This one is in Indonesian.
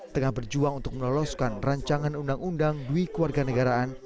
tengah berjuang untuk meloloskan rancangan undang undang duit keluarga negaraan